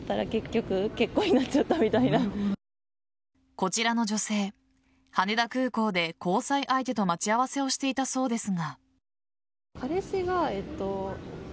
こちらの女性羽田空港で交際相手と待ち合わせをしていたそうですが。